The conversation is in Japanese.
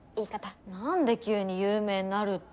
何で急に「有名になる」って。